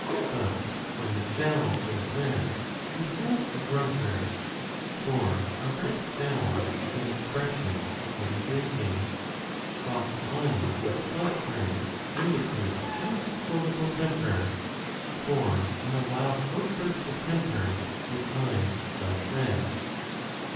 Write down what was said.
But when the jowl goes red, you have a drunkard, for a red jowl is an expression of heavy drinking : whilst eyes that flush red indicate uncontrollable temper, 35 for in a wild outburst of temper the eyes flush red.